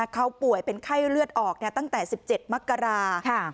เขาป่วยเป็นไข้เลือดออกตั้งแต่๑๗มกรา